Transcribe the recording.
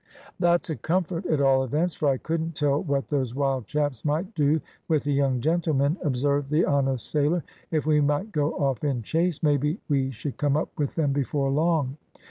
"That's a comfort, at all events, for I couldn't tell what those wild chaps might do with the young gentlemen," observed the honest sailor. "If we might go off in chase, maybe we should come up with them before long."